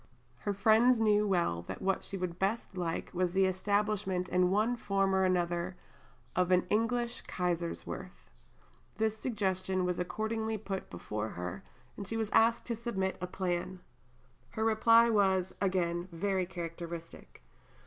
Her friends knew well that what she would best like was the establishment in one form or another of "an English Kaiserswerth." This suggestion was accordingly put before her, and she was asked to submit a plan. Her reply was, again, very characteristic.